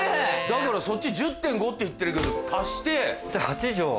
だからそっち１０．５って言ってるけど足して。